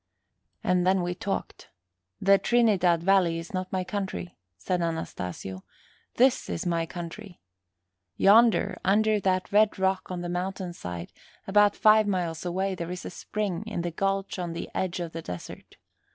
And then we talked. "The Trinidad Valley is not my country," said Anastasio; "this is my country. Yonder, under that red rock on the mountain side, about five miles away, there is a spring in the gulch on the edge of the desert.